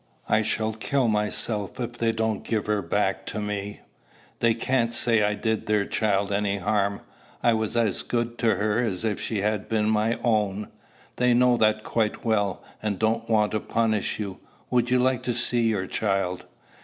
I shall kill myself if they don't give me her back. They can't say I did their child any harm. I was as good to her as if she had been my own." "They know that quite well, and don't want to punish you. Would you like to see your child?"